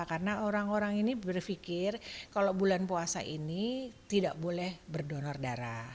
karena orang orang ini berpikir kalau bulan puasa ini tidak boleh berdonor darah